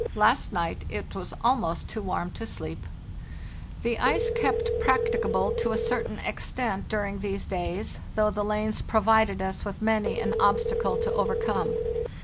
Last night it was almost too warm to sleep." The ice kept practicable to a certain extent during these days, though the lanes provided us with many an obstacle to overcome.